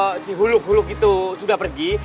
siapa itu si huluk huluk itu sudah pergi